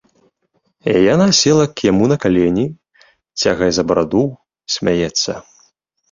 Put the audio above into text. Яна села к яму на калені, цягае за бараду, смяецца.